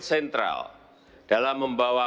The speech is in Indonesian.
sentral dalam membawa